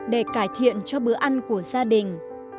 để cải thiện cho bữa ăn của gia đình